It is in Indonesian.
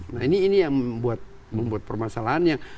nah ini yang membuat permasalahan yang